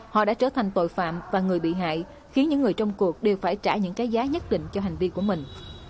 họ đã trở thành tội phạm và người bị hại khiến những người trong cuộc đều phải trả những cái giá nhất định cho hành vi của mình